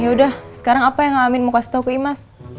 yaudah sekarang apa yang ngamin mau kasih tahu ke imas